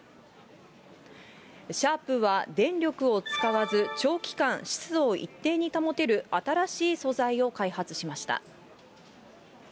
シャープは電力を使わず、長期間湿度を一定に保てる新しい素材を開発しました。